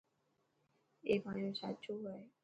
اي مايو چاچو هي.